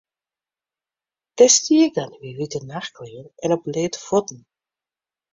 Dêr stie ik dan yn myn wite nachtklean en op bleate fuotten.